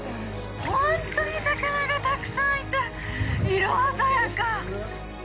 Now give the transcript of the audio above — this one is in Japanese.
ほんとに魚がたくさんいて色鮮やか。